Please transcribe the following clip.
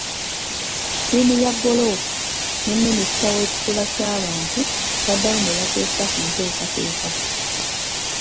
Ttiimu ya goolofu ne minisita w'ekikula ky'abantu baddamu ne bateesa ku nteekateeka.